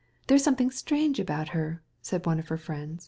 There's something strange about her," said her friend.